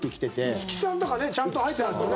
五木さんとかねちゃんと入ってました。